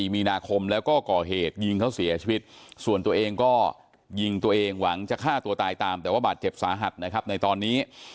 มีนาคมแล้วก็ก่อเหตุยิงเขาเสียชีวิตส่วนตัวเองก็ยิงตัวเองหวังจะฆ่าตัวตายตามแต่ว่าบาดเจ็บสาหัสนะครับในตอนนี้